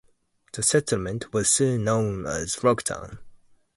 The settlement was soon known as Frogtown.